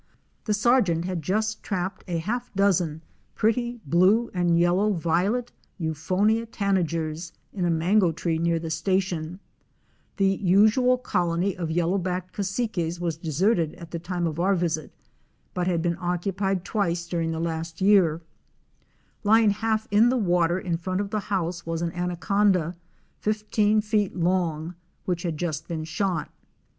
The sergeant had just trapped a half dozen pretty blue and yellow Violet Euphonia Tan 140 * agers ' ina mango tree near the station. The usual colony St was deserted at the time of of Yellow backed Cassiques our visit, but had been occupied twice during the last year. Lying half in the water in front of the house was an anaconda fifteen feet long which had just been shot.